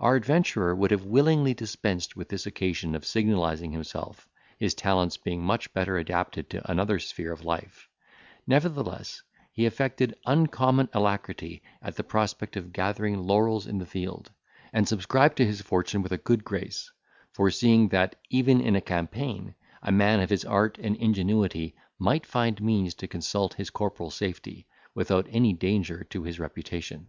Our adventurer would have willingly dispensed with this occasion of signalising himself, his talents being much better adapted to another sphere of life; nevertheless, he affected uncommon alacrity at the prospect of gathering laurels in the field, and subscribed to his fortune with a good grace; foreseeing, that even in a campaign, a man of his art and ingenuity might find means to consult his corporal safety, without any danger to his reputation.